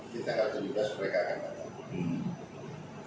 kita akan kejelas mereka akan datang